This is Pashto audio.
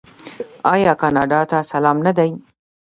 آیا کاناډا ته سلام نه دی؟